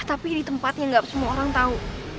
tapi di tempatnya ga semua orang tau